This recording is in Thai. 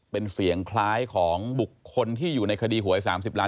เป็นเสียงคล้ายของบุคคลที่อยู่ในคดีหวย๓๐ล้าน